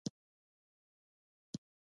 په سپینو، سپینو تتېو سپینو